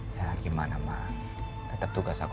ya gimana ma tetap tugas aku kan